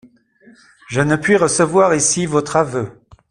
Je ne puis recevoir ici votre aveu.